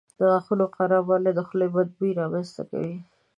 د غاښونو خرابوالی د خولې بد بوی رامنځته کوي.